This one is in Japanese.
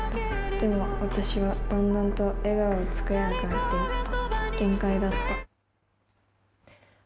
でも私はだんだんと笑顔を作れなくなっていった。